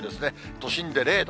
都心で０度。